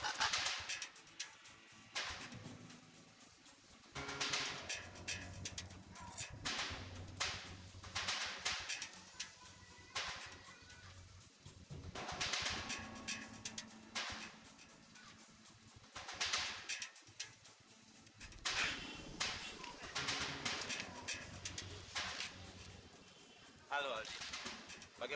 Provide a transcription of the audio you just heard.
jangan jangan jangan